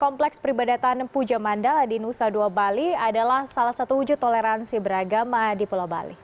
kompleks peribadatan puja mandala di nusa dua bali adalah salah satu wujud toleransi beragama di pulau bali